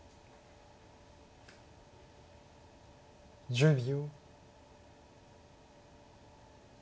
１０秒。